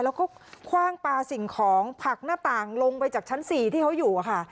แล้วก็คว่างปลาสิ่งของผักหน้าต่างลงไปจากชั้น๔ที่เขาอยู่ค่ะ